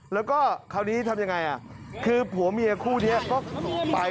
แล้วก็คราวนี้ทำยังไงคือผัวเมียคู่นี้ก็ไป